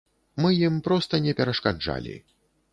Мы ім проста не перашкаджалі.